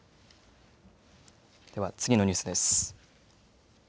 では次のニュースです。